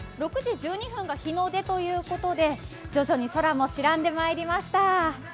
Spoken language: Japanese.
６時１２分が日の出ということで、徐々に空も白んでまいりました。